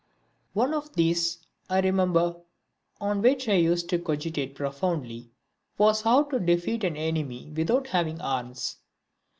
One of these, I remember, on which I used to cogitate profoundly, was how to defeat an enemy without having arms.